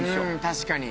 確かに。